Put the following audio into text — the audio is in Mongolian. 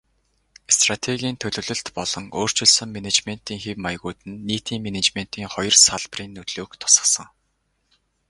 Стратегийн төлөвлөлт болон өөрчилсөн менежментийн хэв маягууд нь нийтийн менежментийн хоёр салбарын нөлөөг тусгасан.